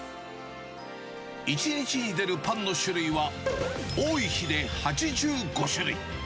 １日に出るパンの種類は、多い日で８５種類。